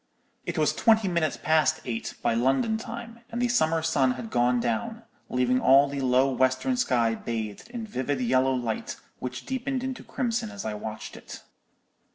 "It was twenty minutes past eight by London time, and the summer sun had gone down, leaving all the low western sky bathed in vivid yellow light, which deepened into crimson as I watched it.